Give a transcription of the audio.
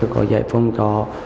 có dạy phòng trọ